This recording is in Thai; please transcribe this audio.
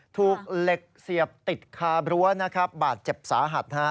ถูกเหล็กเสียบติดคาบรั้วนะครับบาดเจ็บสาหัส